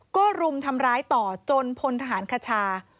ก็รุมทำร้ายต่อจนพลทหารคชา